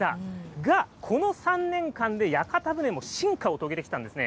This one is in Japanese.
が、この３年間で屋形船も進化を遂げてきたんですね。